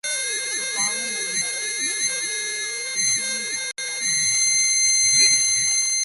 The following are the medals and service awards fictionally worn by Colonel Mitchell.